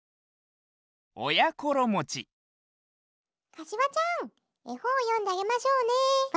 かしわちゃんえほんをよんであげましょうね。ばぶ。